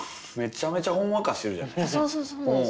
めちゃめちゃほんわかしてるじゃないですか。